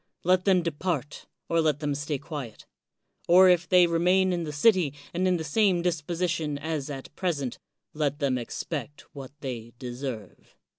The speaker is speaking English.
Let them depart, or let them stay quiet; or if they remain in the city and in the same disposition as at present, let them expect what they deserve.